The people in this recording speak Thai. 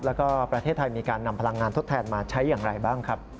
แล้วก็ประเทศไทยมีการนำพลังงานทดแทนมาใช้อย่างไรบ้างครับ